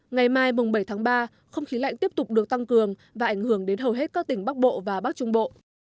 ngày mai bảy tháng ba không khí lạnh tiếp tục được tăng cường và ảnh hưởng đến hầu hết các tỉnh bắc bộ và bắc trung bộ